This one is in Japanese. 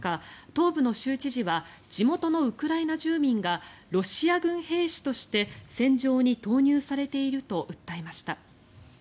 東部の州知事は地元のウクライナ住民がロシア軍兵士として戦場に投入されていると訴えました。